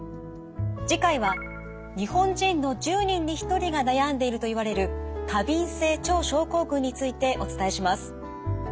次回は日本人の１０人に１人が悩んでいるといわれる過敏性腸症候群についてお伝えします。